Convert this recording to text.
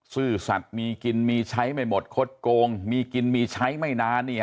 ซื่อสัตว์มีกินมีใช้ไม่หมดคดโกงมีกินมีใช้ไม่นาน